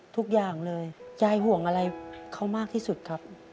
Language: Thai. ทุกอย่างเลยยายห่วงอะไรเขามากที่สุดครับ